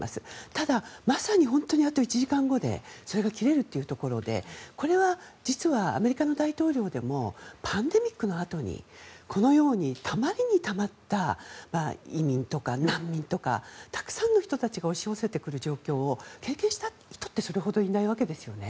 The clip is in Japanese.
ただ、まさに本当にあと１時間後にそれが切れるというところでこれは実はアメリカの大統領でもパンデミックのあとにこのように、たまりにたまった移民とか難民とかたくさんの人たちが押し寄せてくる状況を経験した人ってそれほどいないわけですよね。